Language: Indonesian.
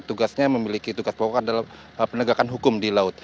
yang bertugasnya memiliki tugas pokok adalah penegakan hukum di laut